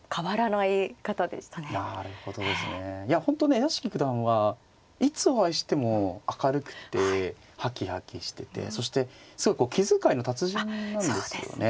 屋敷九段はいつお会いしても明るくてはきはきしててそしてすごいこう気遣いの達人なんですよね。